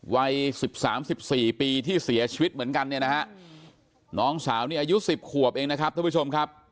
วัย๑๓๑๔ปีที่เสียชีวิตเหมือนกันน้องสาวนี้อายุ๑๐ขวบเองนะครับ